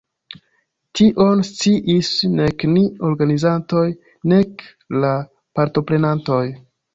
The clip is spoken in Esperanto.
Tion sciis nek ni organizantoj, nek la partoprenontoj.